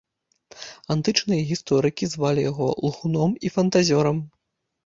Антычныя гісторыкі звалі яго лгуном і фантазёрам.